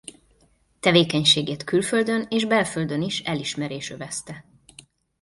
Tevékenységét külföldön és belföldön is elismerés övezte.